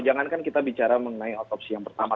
jangankan kita bicara mengenai otopsi yang pertama